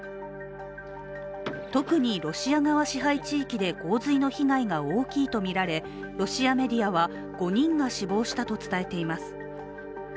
特にロシア側支配地域で洪水の被害が大きいとみられロシアメディアは、５人が死亡したと伝えています。